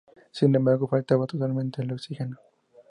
Sin embargo faltaba totalmente el oxígeno.